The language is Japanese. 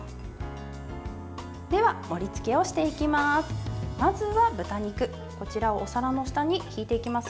では、盛りつけをしていきます。